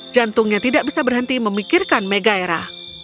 jantungnya tidak bisa berhenti memikirkan megaira